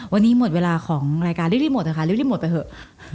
วันนี้หมดเวลาของรายการรีบหมดนะคะรีบหมดไปเถอะ